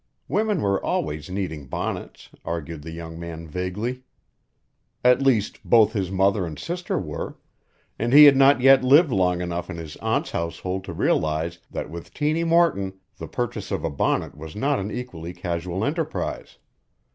Women were always needing bonnets, argued the young man vaguely; at least, both his mother and sister were, and he had not yet lived long enough in his aunt's household to realize that with Tiny Morton the purchase of a bonnet was not an equally casual enterprise.